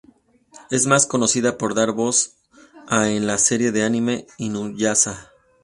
Es más conocida por dar voz a en la serie de anime "Inuyasha".